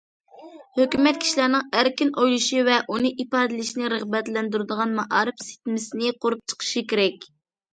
ھۆكۈمەت كىشىلەرنىڭ ئەركىن ئويلىشى ۋە ئۇنى ئىپادىلىشىنى رىغبەتلەندۈرىدىغان مائارىپ سىستېمىسىنى قۇرۇپ چىقىشى كېرەك.